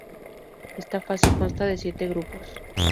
Esta fase consta de siete grupos.